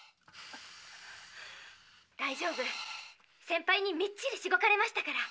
センパイにみっちりしごかれましたから。